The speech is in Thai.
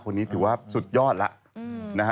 คนนี้ถือว่าสุดยอดแล้วนะฮะ